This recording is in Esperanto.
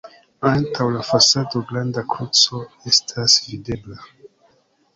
Antaŭ la fasado granda kruco estas videbla.